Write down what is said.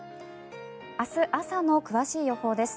明日朝の詳しい予報です。